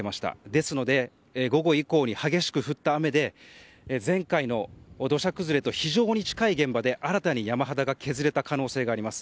ですので午後以降に激しく降った雨で前回の土砂崩れと非常に近い現場で新たに山肌が削れた可能性があります。